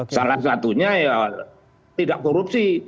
salah satunya ya tidak korupsi